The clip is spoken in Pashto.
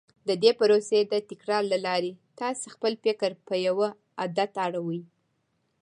د دې پروسې د تکرار له لارې تاسې خپل فکر پر يوه عادت اړوئ.